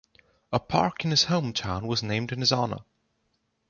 A park in his home town was named in his honour.